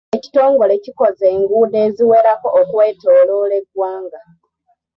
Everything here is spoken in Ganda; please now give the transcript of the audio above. Ekitongole kikoze enguudo eziwerako okwetooloola eggwanga.